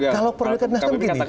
kalau periode nasdem gini